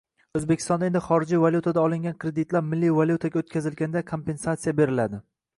O‘zbekistonda endi xorijiy valyutada olingan kreditlar milliy valyutaga o‘tkazilganda kompensatsiya beriladi